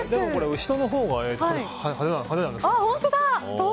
後ろの方が派手なんですよね。